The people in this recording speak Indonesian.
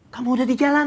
kamu udah di jalan